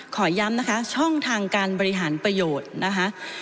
ขอย้ำนะคะช่องทางการบริหารประโยชน์นะคะ